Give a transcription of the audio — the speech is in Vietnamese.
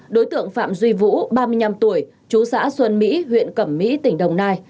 đối tượng phạm duy vũ ba mươi năm tuổi chú xã xuân mỹ huyện cẩm mỹ tỉnh đồng nai